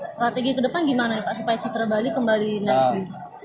strategi ke depan gimana ya pak supaya citra bali kembali naik